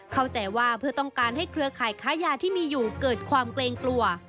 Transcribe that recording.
เข้าใจว่าเพื่อต้องการให้เครือข่ายค้ายาที่มีอยู่เกิดความเกรงกลัว